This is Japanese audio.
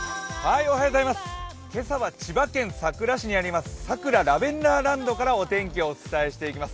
今朝は千葉県佐倉市にある佐倉ラベンダーランドからお天気をお伝えしていきます。